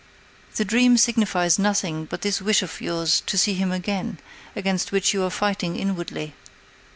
The dream signifies nothing but this wish of yours to see him again, against which you are fighting inwardly.